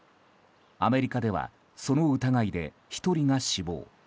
アメリカではその疑いで１人が死亡。